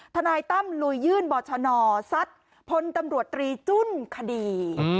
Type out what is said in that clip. ทนายตั้มลุยยื่นบชนซัดพลตำรวจตรีจุ้นคดี